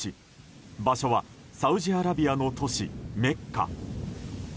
場所はサウジアラビアの都市メッカ。